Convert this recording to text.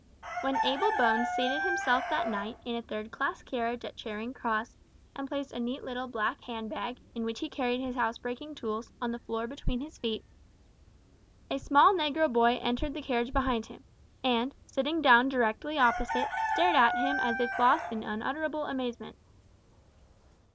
When Abel Bones seated himself that night in a third class carriage at Charing Cross, and placed a neat little black hand bag, in which he carried his housebreaking tools, on the floor between his feet, a small negro boy entered the carriage behind him, and, sitting down directly opposite, stared at him as if lost in unutterable amazement.